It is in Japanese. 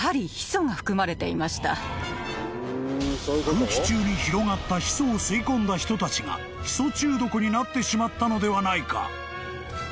［空気中に広がったヒ素を吸い込んだ人たちがヒ素中毒になってしまったのではないか］